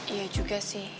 iya juga sih